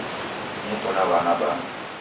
Neko na w'ana bana